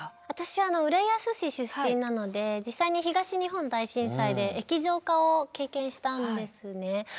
私浦安市出身なので実際に東日本大震災で液状化を経験したんですね。